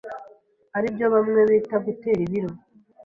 ari byo bamwe bita gutera ibiro.